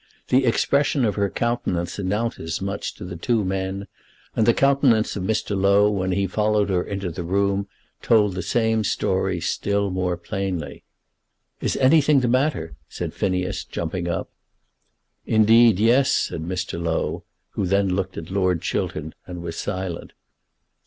The expression of her countenance announced as much to the two men, and the countenance of Mr. Low when he followed her into the room told the same story still more plainly. "Is anything the matter?" said Phineas, jumping up. "Indeed, yes," said Mr. Low, who then looked at Lord Chiltern and was silent.